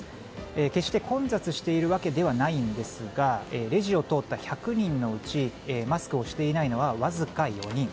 決して混雑しているわけではないんですがレジを通った１００人のうちマスクをしていないのはわずか４人。